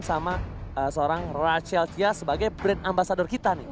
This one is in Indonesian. ini dimainkan sama seorang rachel chia sebagai brand ambassador kita nih